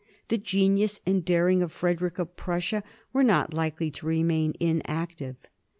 The genius and daring of Frederick of Prussia were not likely to remain inactive.